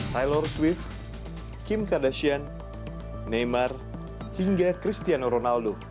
tylor swift kim kardashian neymar hingga cristiano ronaldo